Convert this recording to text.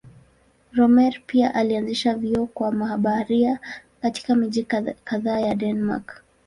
Rømer pia alianzisha vyuo kwa mabaharia katika miji kadhaa ya Denmark.